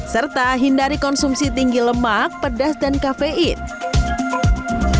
serta hindari konsumsi tinggi lemak pedas dan kafein